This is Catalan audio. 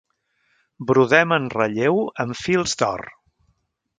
Brodem en relleu amb fils d'or.